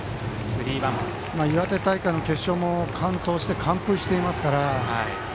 岩手大会の決勝も完投して完封していますから。